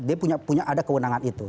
dia punya ada kewenangan itu